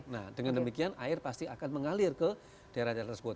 nah dengan demikian air pasti akan mengalir ke daerah daerah tersebut